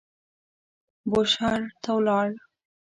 بوشهر ته ولاړ.